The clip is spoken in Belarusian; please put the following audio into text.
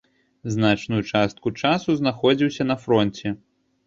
Значную частку часу знаходзіўся на фронце.